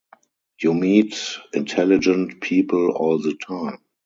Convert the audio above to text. You meet intelligent people all the time.